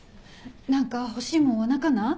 何か欲しいもんはなかな？